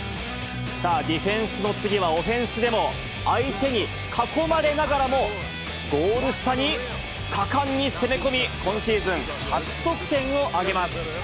さあ、ディフェンスの次はオフェンスでも、相手に囲まれながらも、ゴール下に果敢に攻め込み、今シーズン初得点を挙げます。